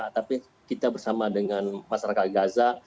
tapi kita bersama dengan masyarakat gaza